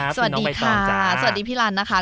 สวัสดีค่ะสวัสดีค่ะสวัสดีพี่ลันนะคะ